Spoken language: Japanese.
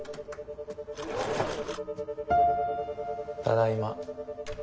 ただいま。